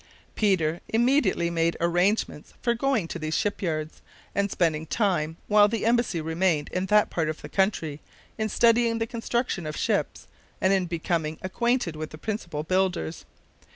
Peter immediately made arrangements for going to these ship yards and spending the time while the embassy remained in that part of the country in studying the construction of ships, and in becoming acquainted with the principal builders.